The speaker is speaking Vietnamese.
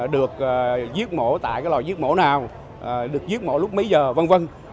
được giết mổ tại cái lòi giết mổ nào được giết mổ lúc mấy giờ v v